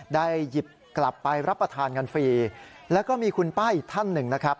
ได้หยิบกลับไปรับประทานกันฟรีแล้วก็มีคุณป้าอีกท่านหนึ่งนะครับ